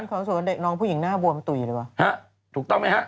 ขอส่วนเด็กน้องผู้หญิงหน้าบวมตุ๋ยดีกว่าฮะถูกต้องไหมฮะ